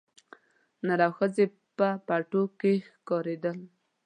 نر او ښځي په پټو کښي ښکارېدل